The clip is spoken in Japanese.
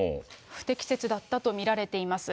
不適切だったと見られています。